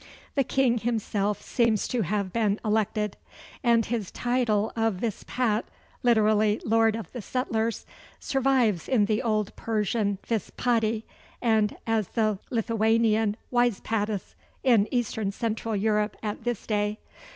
The king himself seems to have been elected; and his title of Vis pat, literally "Lord of the Settlers," survives in the old Persian Vis paiti, and as the Lithuanian Wiez patis in east central Europe at this day.